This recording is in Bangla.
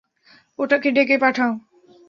ওটাকে ডেকে পাঠাও।